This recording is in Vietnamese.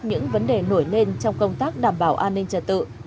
những vấn đề nổi lên trong công tác đảm bảo an ninh trật tự